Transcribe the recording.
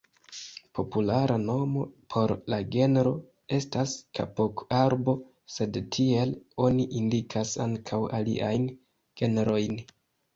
Populara nomo por la genro estas "kapok-arbo", sed tiele oni indikas ankaŭ aliajn genrojn.